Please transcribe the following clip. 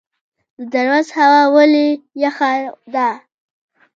د درواز هوا ولې یخه ده؟